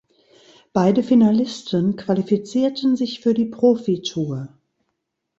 Beide Finalisten qualifizierten sich für die Profitour.